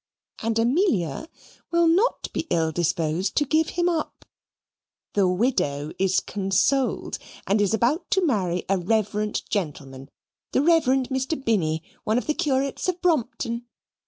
And Amelia will not be ill disposed to give him up. The widow is CONSOLED, and is about to marry a reverend gentleman, the Rev. Mr. Binny, one of the curates of Brompton.